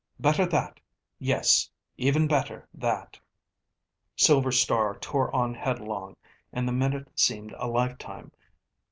Better that! Yes, even better that! Silver Star tore on headlong and the minute seemed a lifetime.